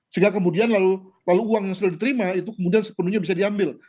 sehingga kemudian lalu uang yang sudah diterima itu kemudian sepenuhnya bisa diambil